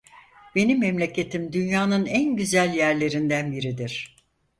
Benim memleketim dünyanın en güzel yerlerinden biridir.